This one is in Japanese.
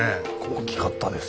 大きかったです